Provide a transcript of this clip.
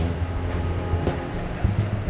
aku juga kesini sebenernya ingin